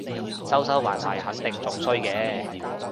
收收埋埋肯定係仲衰嘅